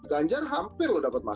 dan ganjar hampir sudah berubah